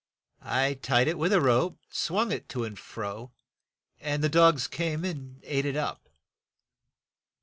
"I tied it with a rope, swung it to and fro, and the dogs came and ate it up."